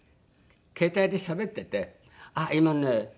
携帯でしゃべってて「あっ今ね」